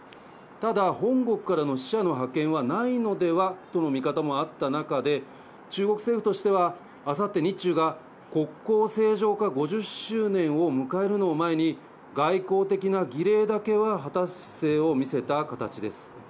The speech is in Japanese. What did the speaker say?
ただ、本国からの使者の派遣はないのではとの見方もあった中で、中国政府としては、あさって日中が国交正常化５０周年を迎えるのを前に、外交的な儀礼だけは果たす姿勢を見せた形です。